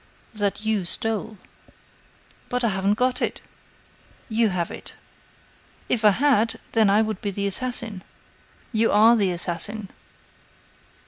"That you stole." "But I haven't got it." "You have it." "If I had, then I would be the assassin." "You are the assassin."